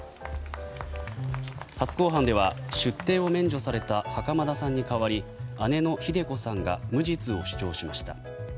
初公判では出廷を免除された袴田さんに代わり姉のひで子さんが無実を主張しました。